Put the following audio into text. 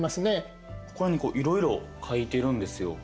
ここら辺にいろいろ書いてるんですよ。